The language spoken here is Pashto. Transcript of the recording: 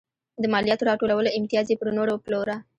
د مالیاتو راټولولو امتیاز یې پر نورو پلوره.